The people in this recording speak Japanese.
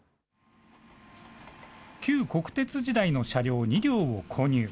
旧国鉄時代の車両２両を購入。